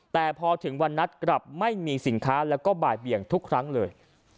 แต่พอถึงวันนัดกลับไม่มีสินค้าแล้วก็บ่ายเบียงทุกครั้งเลย